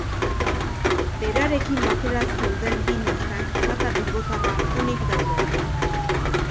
Berarekin batera zeuden bi neskak, bata bilbotarra, onik daude.